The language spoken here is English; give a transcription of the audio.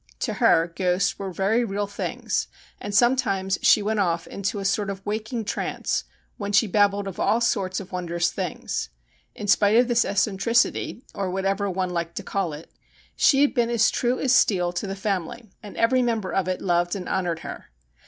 To her ghosts were very real things, and sometimes she went off into a sort of waking trance, when she babbled of all sorts of wondrous things. In spite of this eccentricity, or what ever one liked to call it, she had been as true as steel to the family, and every member of it loved and honoured her.